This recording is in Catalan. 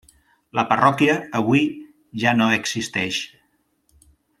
La parròquia avui ja no existeix.